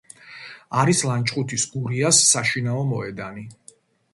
არის ლანჩხუთის „გურიას“ საშინაო მოედანი.